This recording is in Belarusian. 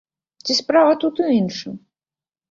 Ці справа тут у іншым?